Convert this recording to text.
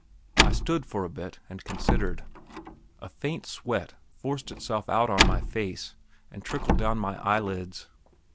I stood for a bit and considered. A faint sweat forced itself out on my face, and trickled down my eyelids.